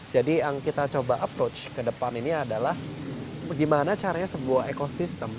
jadi yang kita coba approach kedepan ini adalah gimana caranya sebuah ekosistem